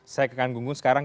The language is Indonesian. saya ke kang gunggun sekarang